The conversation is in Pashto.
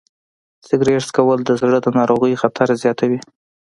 سګریټ څکول د زړه د ناروغیو خطر زیاتوي.